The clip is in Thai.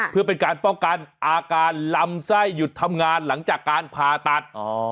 เพื่อเป็นการป้องกันอาการลำไส้หยุดทำงานหลังจากการผ่าตัด